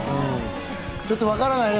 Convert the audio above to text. ちょっとわからないね。